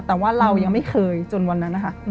แต่ว่าเรายังไม่เคยจนวันนั้นนะคะ